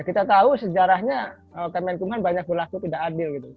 kita tahu sejarahnya kemenkumham banyak berlaku tidak adil gitu